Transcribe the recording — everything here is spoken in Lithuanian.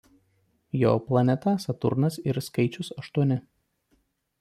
Jo planeta Saturnas ir skaičius Aštuoni.